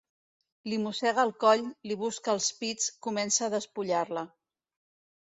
Li mossega el coll, li busca els pits, comença a despullar-la.